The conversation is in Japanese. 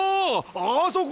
あそこ！